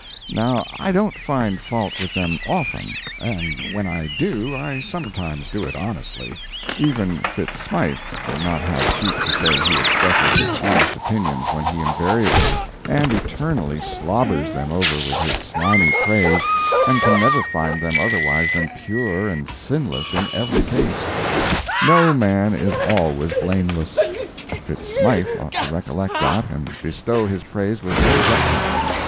Now I don't find fault with them often, and when I do I sometimes do it honestly; even Fitz Smythe will not have cheek to say he expresses his honest opinions when he invariably and eternally slobbers them over with his slimy praise and can never find them otherwise than pure and sinless in every case. No man is always blameless—Fitz Smythe ought to recollect that and bestow his praise with more judgment.